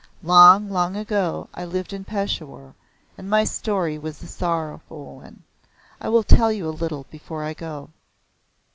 Long, long ago I lived in Peshawar, and my story was a sorrowful one. I will tell you a little before I go."